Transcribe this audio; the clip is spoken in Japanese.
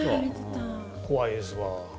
怖いですわ。